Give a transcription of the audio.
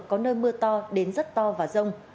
có nơi mưa to đến rất to và rông